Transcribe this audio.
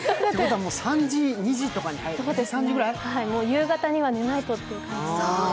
もう夕方には寝ないとという感じで。